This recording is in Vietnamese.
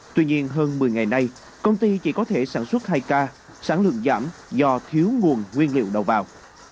tuy nhiên hơn một mươi ngày nay công ty chỉ có thể sản xuất hai k sản lượng giảm do thiếu nguồn nguyên liệu đầu vào